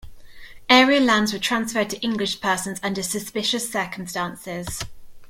Area lands were transferred to English persons under suspicious circumstances.